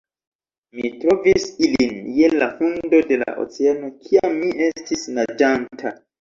Mi trovis ilin je la fundo de la oceano kiam mi estis naĝanta